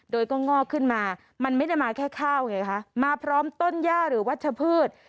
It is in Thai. โดยก็งอกขึ้นมามันไม่ได้มาแค่ข้าวไงคะมาพร้อมต้นย่าหรือวัชพืช